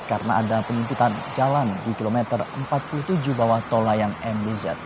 karena ada penyimpitan jalan di kilometer empat puluh tujuh bawah tol layang mbz